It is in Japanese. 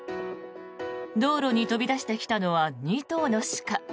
道路に飛び出してきたのは２頭の鹿。